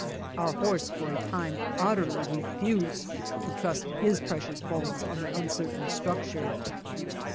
Our horse for a time utterly refused to trust his precious bones on the uncertain structure.